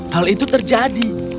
hal itu terjadi